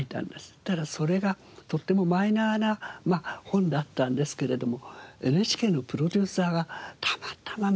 そしたらそれがとってもマイナーな本だったんですけれどもＮＨＫのプロデューサーがたまたま目にされたんですね。